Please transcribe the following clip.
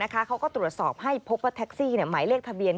เขาก็ตรวจสอบให้พบว่าแท็กซี่หมายเลขทะเบียน